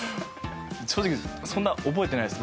正直、そんな覚えてないです。